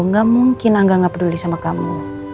nggak mungkin angga gak peduli sama kamu